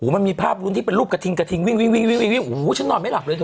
โหมันมีภาพรุ่นที่เป็นรูปกระทิงวิ่งโหฉันนอนไม่หลับเลยเถอะ